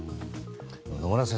野村先生